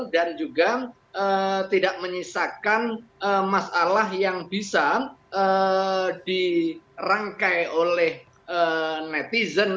dan juga tidak menyisakan masalah yang bisa dirangkai oleh netizen